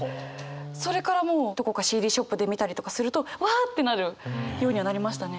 それからもうどこかＣＤショップで見たりとかするとわあってなるようにはなりましたね。